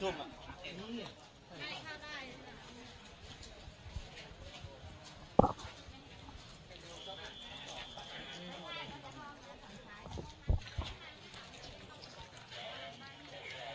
ไม่เป็นไรไม่เป็นไร